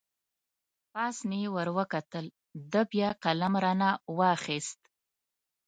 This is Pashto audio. پاس مې ور وکتل، ده بیا قلم را نه واخست.